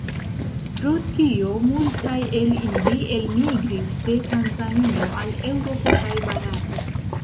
Pro tio multaj el ili elmigris de Tanzanio al Eŭropo kaj Barato.